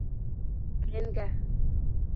Киленгә